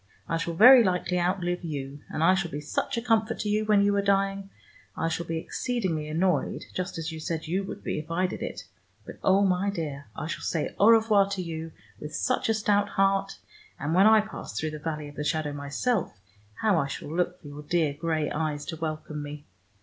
I shall very likely out live you, and I shall be such a comfort to you when you are dying. I shall be exceedingly annoyed, just as you said you would be if I did it, but, oh, my dear, I shall say au revoir to you with such a stout heart, and when I pass through the valley of the shadow myself how I shall look for your dear gray eyes to welcome me.